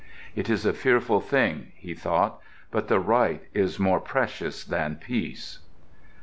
"It is a fearful thing," he thought, "but the right is more precious than peace."